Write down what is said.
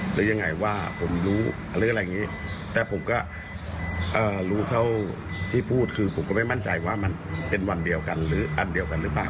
หรือยังไงว่าผมรู้หรืออะไรอย่างนี้แต่ผมก็รู้เท่าที่พูดคือผมก็ไม่มั่นใจว่ามันเป็นวันเดียวกันหรืออันเดียวกันหรือเปล่า